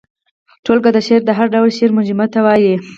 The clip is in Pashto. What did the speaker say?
ټولګه د شاعر د هر ډول شعرو مجموعې ته وايي.